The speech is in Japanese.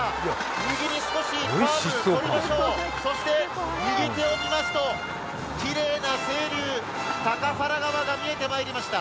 右に少しカーブ、そして右手を見ますときれいな清流、高原川が見えてきました。